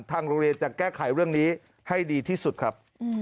ทางโรงเรียนจะแก้ไขเรื่องนี้ให้ดีที่สุดครับ